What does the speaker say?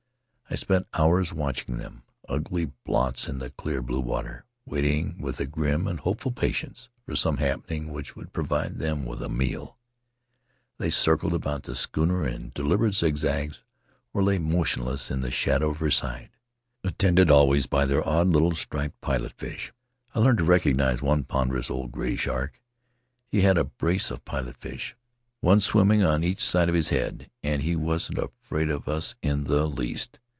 I spent hours watch ing them — ugly blots in the clear blue water, waiting with a grim and hopeful patience for some happening which would provide them with a meal. They circled about the schooner in deliberate zigzags, or lay motion less in the shadow of her side, attended always by their odd little striped pilot fish. I learned to recognize one ponderous old gray shark; he had a brace of pilot fish, one swimming on each side of his head — and he wasn't afraid of us in the least.